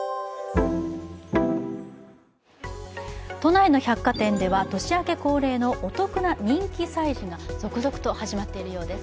都内の百貨店では年明け恒例のお得な人気催事が続々と始まっているようです。